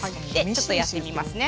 ちょっとやってみますね。